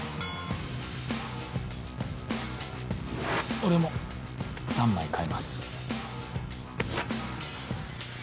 俺も３枚換えます。